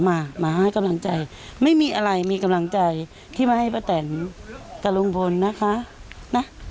มามาให้กำลังใจไม่มีอะไรมีกำลังใจที่มาให้ป้าแตนกับลุงพลนะคะนะ